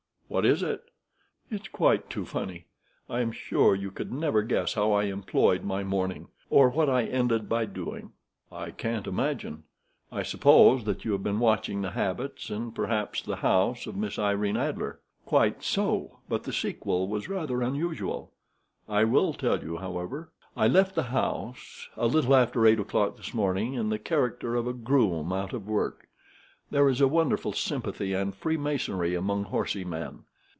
"What is it?" "It's quite too funny. I am sure you could never guess how I employed my morning, or what I ended by doing." "I can't imagine. I suppose that you have been watching the habits, and, perhaps, the house, of Miss Irene Adler." "Quite so, but the sequel was rather unusual. I will tell you, however. I left the house a little after eight o'clock this morning in the character of a groom out of work. There is a wonderful sympathy and freemasonry among horsey men.